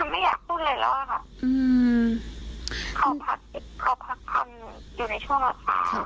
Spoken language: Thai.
ไม่ฉันไม่อยากพูดเลยแล้วค่ะ